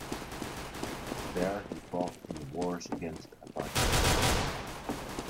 There he fought in the wars against the Apaches.